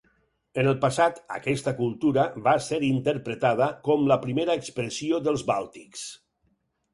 En el passat, aquesta cultura va ser interpretada com la primera expressió dels bàltics.